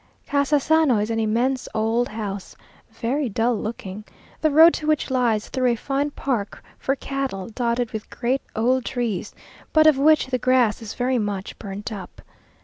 Casasano is an immense old house, very dull looking, the road to which lies through a fine park for cattle, dotted with great old trees, but of which the grass is very much burnt up.